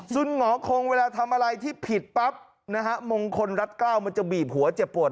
คุณหมอคงเวลาทำอะไรที่ผิดปั๊บนะฮะมงคลรัฐกล้าวมันจะบีบหัวเจ็บปวด